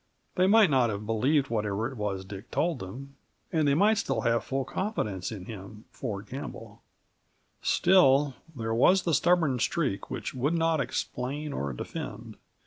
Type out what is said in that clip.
They might not have believed whatever it was Dick told them, and they might still have full confidence in him, Ford Campbell. Still, there was the stubborn streak which would not explain or defend.